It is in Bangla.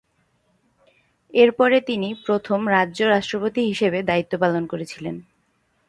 এর পরে তিনি প্রথম রাজ্য রাষ্ট্রপতি হিসাবে দায়িত্ব পালন করেছিলেন।